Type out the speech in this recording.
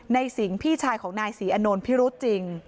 ในสิงพี่ชายของนายสีอานนท์พิรุษจริง